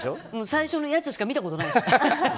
最初のやつしか見たことないです。